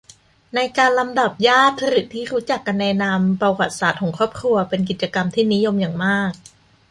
ในการลำดับญาติ หรือที่รู้จักกันในนามผระวัติศาสตร์ของครอบครัว เป็นกิจกรรมที่นิยมอย่างมาก